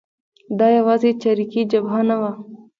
دا یوازې چریکي جبهه نه وه.